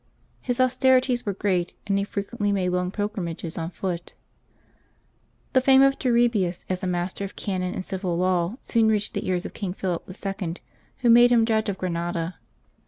His austerities were great, and he frequently made long pilgrimages on foot. The fame of Turribius as a master of canon and civil law soon reached the ears of King Philip IL, who made him judge at Granada.